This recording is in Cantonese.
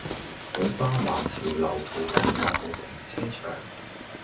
土瓜灣潮樓附近有無停車場？